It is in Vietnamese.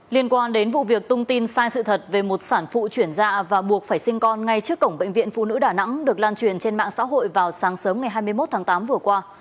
liên quan đến vụ việc tung tin sai sự thật về một sản phụ chuyển dạ và buộc phải sinh con ngay trước cổng bệnh viện phụ nữ đà nẵng được lan truyền trên mạng xã hội vào sáng sớm ngày hai mươi một tháng tám vừa qua